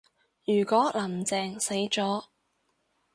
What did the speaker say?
如果林鄭死咗